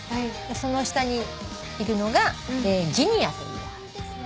その下にいるのがジニアというお花です。